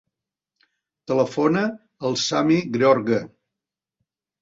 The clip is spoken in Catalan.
Telefona al Sami Gheorghe.